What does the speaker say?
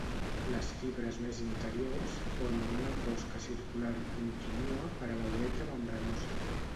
Les fibres més interiors formen una closca circular continua per a la uretra membranosa.